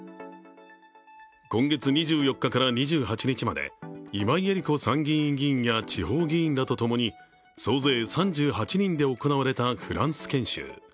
今月２４日から２８日まで、今井絵理子参議院議員や地方議員らとともに総勢３８人で行われたフランス研修。